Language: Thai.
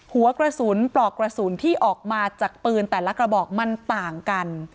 หัวกระสุนปลอกกระสุนที่ออกมาจากปืนแต่ละกระบอกมันต่างกัน